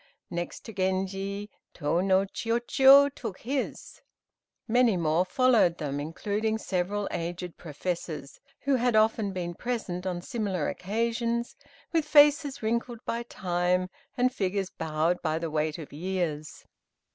Next to Genji, Tô no Chiûjiô took his. Many more followed them, including several aged professors, who had often been present on similar occasions, with faces wrinkled by time, and figures bowed by the weight of years.